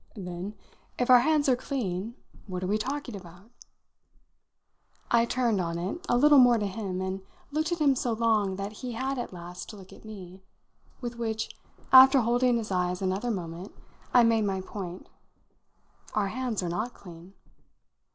"Then, if our hands are clean, what are we talking about?" I turned, on it, a little more to him, and looked at him so long that he had at last to look at me; with which, after holding his eyes another moment, I made my point. "Our hands are not clean."